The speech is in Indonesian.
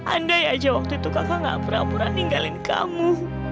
andai aja waktu itu kakak gak berampuran ninggalin kamu